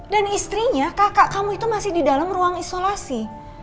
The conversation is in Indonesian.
dan istrinya kakak kamu itu masih di dalam ruang isolasi